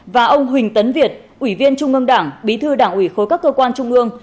và ông huỳnh tấn việt ủy viên trung ương đảng bí thư đảng ủy khối các cơ quan trung ương